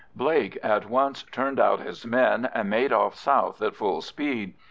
Blake at once turned out his men, and made off south at full speed.